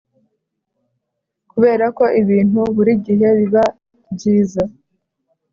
kuberako ibintu buri gihe biba byiza.